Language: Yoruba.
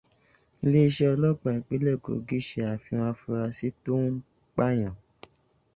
Iléèṣẹ́ ọlọ́pàá ìpínlẹ̀ Kogí ṣe àfihàn afurásí tó n pààyàn.